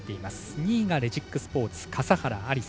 ２位がレジックスポーツ笠原有彩。